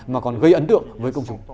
mà còn gây ấn tượng với công chúng